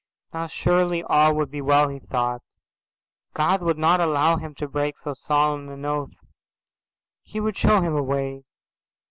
Now surely all would be well, he thought. God would not allow him to break so solemn an oath. He would show him a way.